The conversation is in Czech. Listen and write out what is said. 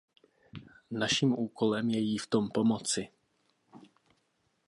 Naším úkolem je jí v tom pomoci.